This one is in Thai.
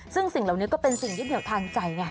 ซึ่งสิ่งเหล่านี้ก็เป็นสิ่งยึดเหนียวทางใจไง